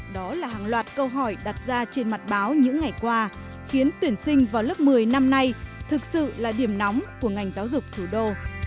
đó là hàng loạt câu hỏi đặt ra trên mặt báo những ngày qua khiến tuyển sinh vào lớp một mươi năm nay thực sự là điểm nóng của ngành giáo dục thủ đô